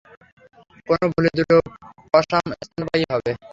কোন ভুলে দুটো পসাম স্তন্যপায়ী হবে?